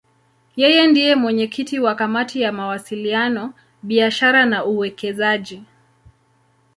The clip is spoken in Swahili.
Yeye ndiye mwenyekiti wa Kamati ya Mawasiliano, Biashara na Uwekezaji.